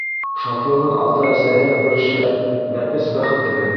Шатлығын ата-әсәһе лә бүлешһә, бәпес бәхетле.